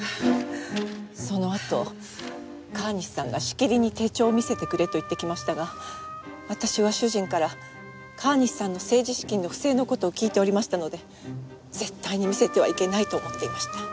そのあと川西さんがしきりに手帳を見せてくれと言ってきましたが私は主人から川西さんの政治資金の不正の事を聞いておりましたので絶対に見せてはいけないと思っていました。